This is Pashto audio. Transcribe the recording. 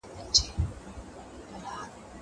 ته ولي ليکنې کوې؟